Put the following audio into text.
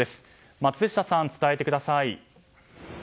松下さん、伝えてください。